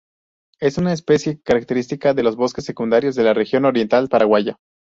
Es una especie característica de los bosques secundarios de la Región Oriental paraguaya.